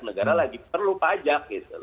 negara lagi perlu pajak